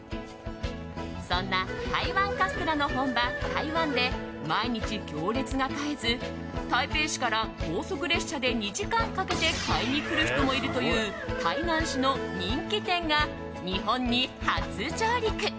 そんな台湾カステラの本場台湾で毎日行列が絶えず、台北市から高速列車で２時間かけて買いに来る人もいるという台南市の人気店が日本に初上陸。